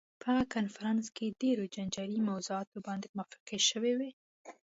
په هغه کنفرانس کې ډېرو جنجالي موضوعاتو باندې موافقې شوې وې.